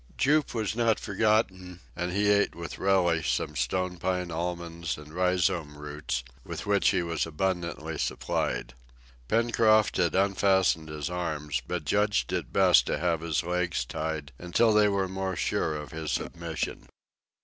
Jup was not forgotten, and he ate with relish some stonepine almonds and rhizome roots, with which he was abundantly supplied. Pencroft had unfastened his arms, but judged it best to have his legs tied until they were more sure of his submission.